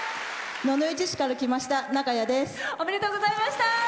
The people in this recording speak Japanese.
野々市市から来ましたなかやです。